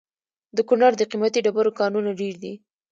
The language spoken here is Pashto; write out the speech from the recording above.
د کونړ د قیمتي ډبرو کانونه ډیر دي